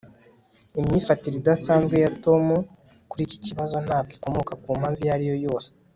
imyifatire idasanzwe ya tom kuri iki kibazo ntabwo ikomoka ku mpamvu iyo ari yo yose